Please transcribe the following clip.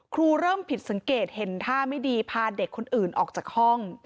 เริ่มผิดสังเกตเห็นท่าไม่ดีพาเด็กคนอื่นออกจากห้อง